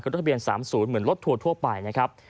ทะเบียน๓๐เหมือนรถทัวร์ทั่วไปนะครับ